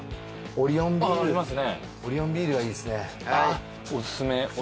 オリオンビールがいいですね